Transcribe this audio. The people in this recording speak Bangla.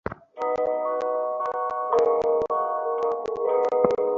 গ্রন্থোপাসনায় এইসব দোষ আছে, তবে উহার একটি বড় গুণও আছে।